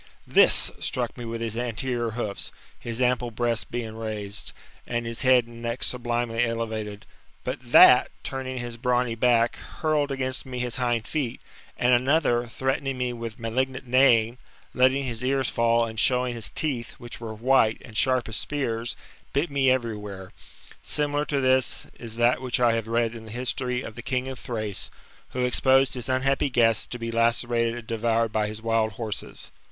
This struck me with his anterior hoofs, his ample breast being raised, and his head and neck sublimely elevated; but that^ turning his brawny back, hurled against me his hind feet ; and another, threatening me with malignant neighing, letting his ears fall, and showing his teeth, which were white, and sharp as spears, bit me every where. Similar to this is that which I have read in the history of the king of Thrace^ who exposed his unhappy guests to be lacerated and devoured by his wild horses.